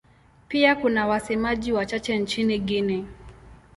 Pia kuna wasemaji wachache nchini Guinea.